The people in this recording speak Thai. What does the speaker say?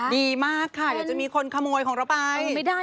ดีมากค่ะเดี๋ยวจะมีคนขโมยของเราไป